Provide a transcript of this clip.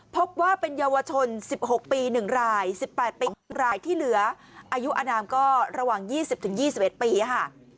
พบว่าเป็นเยาวชน๑๖ปี๑ราย๑๘ปีรายที่เหลืออายุอนามก็ระหว่าง๒๐๒๑ปีค่ะ